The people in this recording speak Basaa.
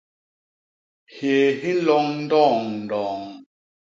Hyéé hi nloñ ndoñ ndoñ.